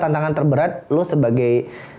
tantangan terberat lo sebagai